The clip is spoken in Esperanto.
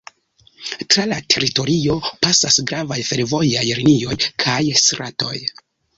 Tra la teritorio pasas gravaj fervojaj linioj kaj stratoj.